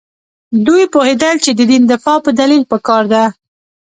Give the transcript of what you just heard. دوی پوهېدل چې د دین دفاع په دلیل پکار ده.